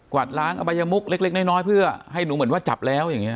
วาดล้างอบัยมุกเล็กน้อยเพื่อให้หนูเหมือนว่าจับแล้วอย่างนี้